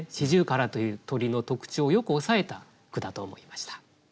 四十雀という鳥の特徴をよく押さえた句だと思いました。